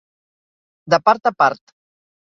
De part a part.